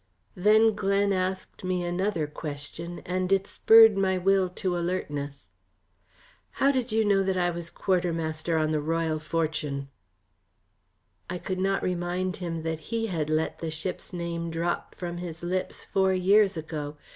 Then Glen asked me another question, and it spurred my will to alertness. "How did you know that I was quartermaster on the Royal Fortune?" I could not remind him that he had let the ship's name drop from his lips four years ago.